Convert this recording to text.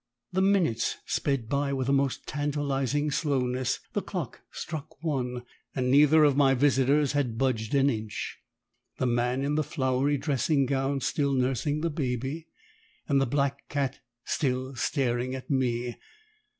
The minutes sped by with the most tantalising slowness. The clock struck one, and neither of my visitors had budged an inch the man in the flowery dressing gown still nursing the baby, and the black cat still staring at me.